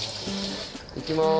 行きます。